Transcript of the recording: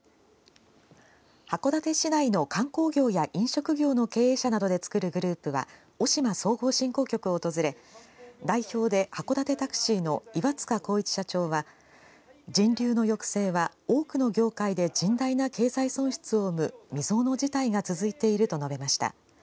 函館市内の観光業や飲食業の経営者などでつくるグループは渡島総合振興局を訪れ代表で函館タクシーの岩塚晃一社長は人流の抑制は多くの業界で甚大な経済損失を生む未曾有の事態が続いていると述べました。